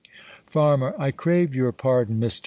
Farm, I crave your pardon, Mister.